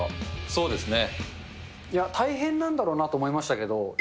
そうですね。